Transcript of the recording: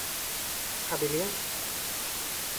ค่าเบี้ยเลี้ยง